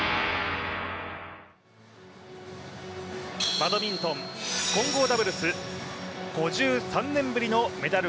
バドミントン・混合ダブルス５３年ぶりのメダル